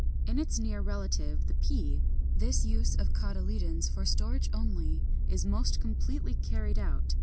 In its near relative, the Pea (Fig. 34, 35), this use of cotyledons for storage only is most completely carried out.